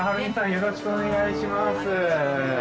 よろしくお願いします。